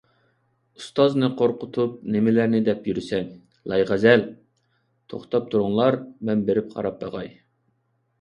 ئۇستازنى قورقۇتۇپ نېمىلەرنى دەپ يۈرىسەن، لايغەزەل! توختاپ تۇرۇڭلار، مەن بېرىپ قاراپ باقاي.